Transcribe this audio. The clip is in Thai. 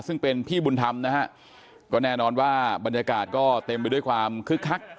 ซึ่งเป็นพี่บุญธรรมนะฮะก็แน่นอนว่าบรรยากาศก็เต็มไปด้วยความคึกคัก